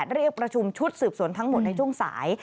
เรียกประชุมชุดสืบสวนทั้งหมดในช่วงสาย